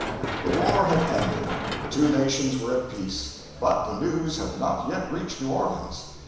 The war had ended, the two nations were at peace, but the news had not yet reached New Orleans.